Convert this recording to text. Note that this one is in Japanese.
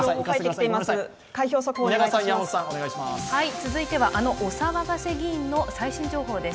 続いては、あのお騒がせ議員の最新情報です。